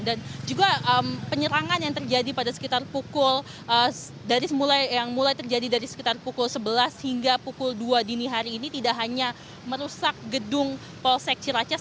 dan juga penyerangan yang terjadi pada sekitar pukul yang mulai terjadi dari sekitar pukul sebelas hingga pukul dua dini hari ini tidak hanya merusak gedung polsek ciracas